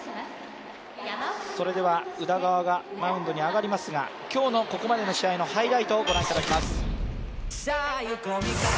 それでは、宇田川がマウンドに上がりますが今日のここまでの試合のハイライトをご覧いただきます。